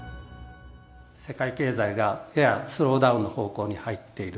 世界経済がややスローダウンの方向に入っている。